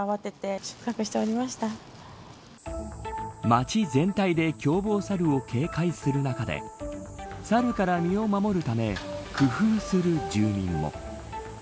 町全体で凶暴サルを警戒する中でサルから身を守るため工夫する住民も。